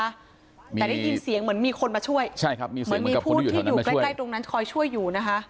แต่ได้ยินเสียงเหมือนมีคนมาช่วยเหมือนมีผู้ที่อยู่ใกล้ตรงนั้นคอยช่วยอยู่นะคะ